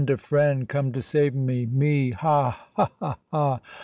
a friend! Come to save me me! ha! ha! ha!